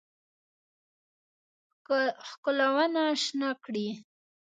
ښکلونه شنه کړي